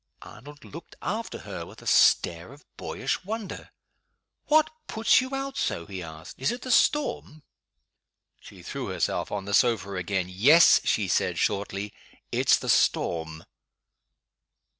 Arnold looked after her, with a stare of boyish wonder. "What puts you out so?" he asked. "Is it the storm?" She threw herself on the sofa again. "Yes," she said, shortly. "It's the storm."